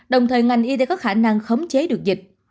đồng thời ngành y tế có khả năng khống chế được dịch